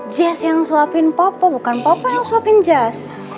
jazz yang suapin papa bukan papa yang suapin jazz